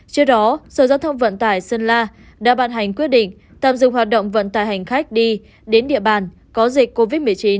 trước đó sở giao thông vận tải sơn la đã ban hành quyết định tạm dừng hoạt động vận tải hành khách đi đến địa bàn có dịch covid một mươi chín